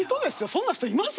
そんな人います？